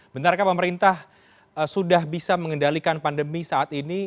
benarkah pemerintah sudah bisa mengendalikan pandemi saat ini